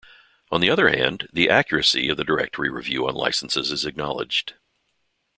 On the other hand, the accuracy of the directory review on licenses is acknowledged.